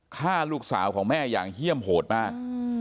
ฆ่าลูกสาวของแม่อย่างเยี่ยมโหดมาก